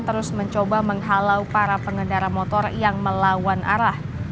terus mencoba menghalau para pengendara motor yang melawan arah